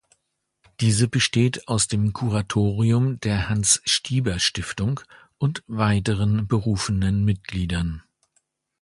Diese besteht aus dem Kuratorium der Hans-Stieber-Stiftung und weiteren berufenen Mitgliedern.